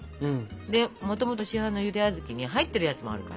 でもともと市販のゆで小豆に入っているやつもあるから。